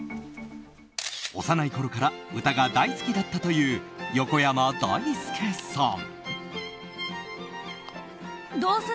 幼いころから歌が大好きだったという横山だいすけさん。